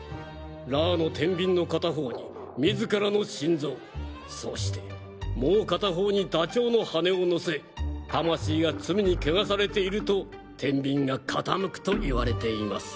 ラーの天秤の片方に自らの心臓そうしてもう片方にダチョウの羽根を乗せ魂が罪に汚されていると天秤が傾くと言われています。